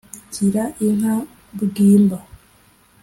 gira inka bwimba